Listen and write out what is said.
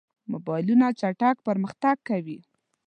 موبایلونه چټک پرمختګ کوي.